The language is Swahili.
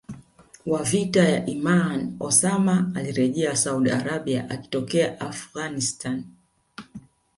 wa vita ya Imaan Osama alirejea Saudi Arabia akitokea Afghanistan